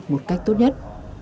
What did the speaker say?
một cách tốt nhất